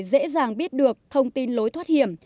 dễ dàng biết được thông tin lối thoát hiểm